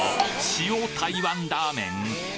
塩台湾ラーメン？